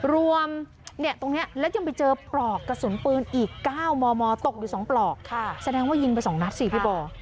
รวมตรงนี้แล้วยังไปเจอปลอกกระสุนปืนอีก๙มมตกอยู่๒ปลอกแสดงว่ายิงไป๒นัดสิพี่บ่อ